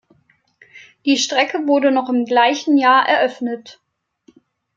Die Strecke wurde noch im gleichen Jahr eröffnet.